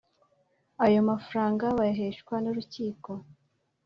Ayo mafaranga bayaheshwa nurukiko.